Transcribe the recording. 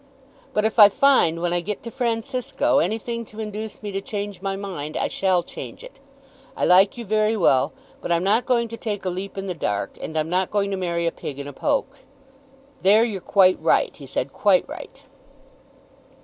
"But if I find when I get to Francisco anything to induce me to change my mind, I shall change it. I like you very well, but I'm not going to take a leap in the dark, and I'm not going to marry a pig in a poke." "There you're quite right," he said, "quite right."